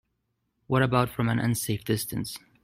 What about from an unsafe distance?